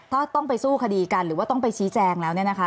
ถ้าต้องไปสู้คดีกันหรือว่าต้องไปชี้แจงแล้วเนี่ยนะคะ